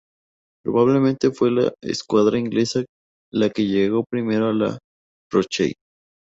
Probablemente fue la escuadra inglesa la que llegó primero a La Rochelle.